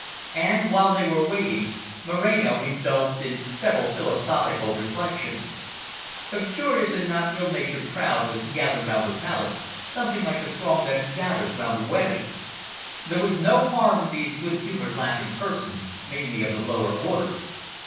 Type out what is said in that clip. And, while they were waiting, Moreno indulged in several philosophical reflections. A curious and not ill natured crowd was gathered round the Palace, something like the throng that gathers round a wedding. There was no harm in these good humoured, laughing persons, mainly of the lower order.